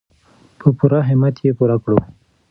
په پوره همت یې پوره کړو.